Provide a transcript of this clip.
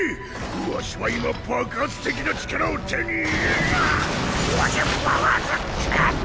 わしは今爆発的な力を手に入れぐわっ！